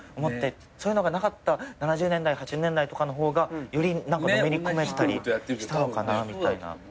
そういうのがなかった７０年代８０年代とかの方がよりのめり込めたりしたのかなみたいな。